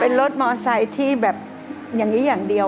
เป็นรถมอไซค์ที่แบบอย่างนี้อย่างเดียว